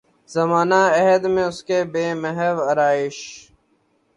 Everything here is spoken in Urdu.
زمانہ عہد میں اس کے ہے محو آرایش